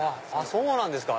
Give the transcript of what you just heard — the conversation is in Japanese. そうなんですか。